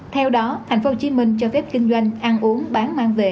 theo đó tp hcm cho phép kinh doanh ăn uống bán mang về